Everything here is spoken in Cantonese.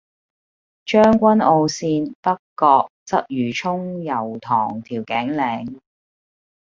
將軍澳綫：北角，鰂魚涌，油塘，調景嶺